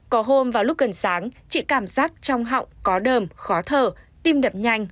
có hôm vào lúc gần sáng chị cảm giác trong họng có đờm khó thở tim đập nhanh